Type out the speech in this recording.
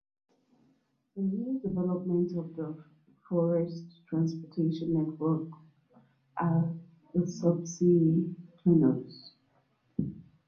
The newest developments of the Faroese transportation network are the sub-sea tunnels.